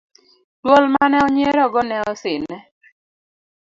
dwol mane onyierogo ne osine